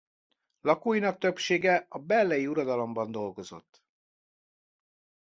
Lakóinak többsége a bellyei uradalomban dolgozott.